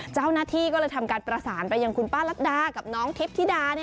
เจ้าหน้าที่ก็เลยทำการประสานไปยังคุณป้ารัฐดากับน้องทิพธิดา